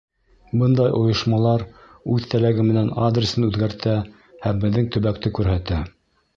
Бындай ойошмалар үҙ теләге менән адресын үҙгәртә һәм беҙҙең төбәкте күрһәтә.